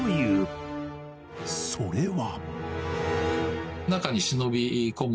それは